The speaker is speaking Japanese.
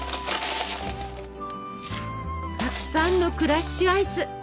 たくさんのクラッシュアイス！